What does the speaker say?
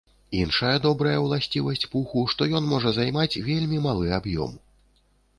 Іншая добрая ўласцівасць пуху, што ён можа займаць вельмі малы аб'ём.